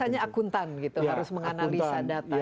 biasanya akuntan gitu harus menganalisa data